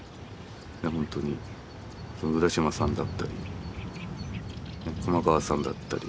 ほんとに浦島さんだったり熊川さんだったり。